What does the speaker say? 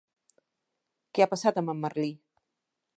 Què ha passat amb en Merlí?